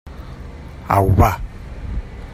Au, va!